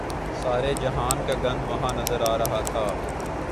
سارے جہان کا گند وہاں نظر آ رہا تھا۔